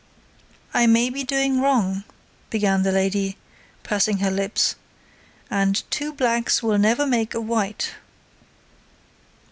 "I may be doing wrong," began the lady, pursing her lips, "and two blacks will never make a white."